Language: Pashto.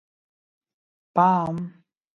_پام!!!